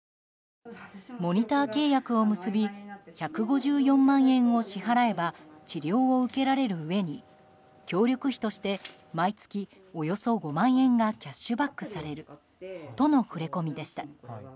モニター契約を結び１５４万円を支払えば治療を受けられるうえに協力費として毎月およそ５万円がキャッシュバックされるとの触れ込みでした。